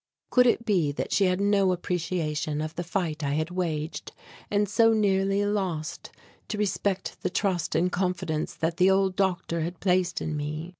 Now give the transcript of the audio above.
Could it be that she had no appreciation of the fight I had waged, and so nearly lost, to respect the trust and confidence that the old doctor had placed in me.